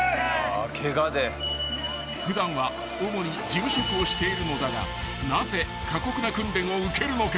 ［普段は主に事務職をしているのだがなぜ過酷な訓練を受けるのか］